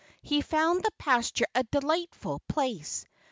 He found the pasture a delightful place.